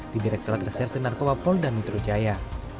di direkturat reserse narkoba polda mitrojaya